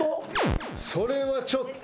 それはちょっと。